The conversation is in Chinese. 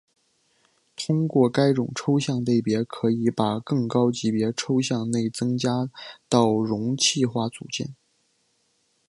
通过该种抽象类别可以把更高级别的抽象内容增加到容器化组件。